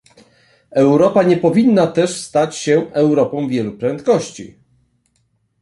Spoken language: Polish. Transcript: Europa nie powinna też stać się Europą wielu prędkości